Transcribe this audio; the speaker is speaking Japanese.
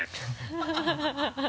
ハハハ